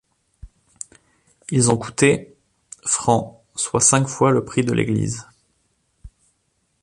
Ils ont couté francs, soit cinq fois le prix de l'église.